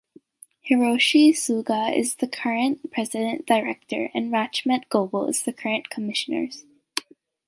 Hiroyoshi Suga is the current President Director and Rachmat Gobel is the current Commissioners.